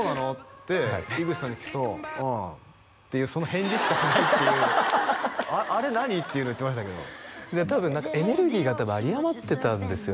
って井口さんに聞くと「ああ」っていうその返事しかしないっていう「あれ何？」っていうの言ってましたけど多分エネルギーが有り余ってたんですよね